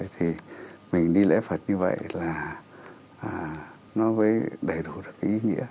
thì mình đi lễ phật như vậy là nó mới đầy đủ được cái ý nghĩa